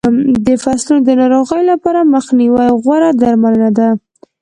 د فصلونو د ناروغیو لپاره مخنیوی غوره درملنه ده.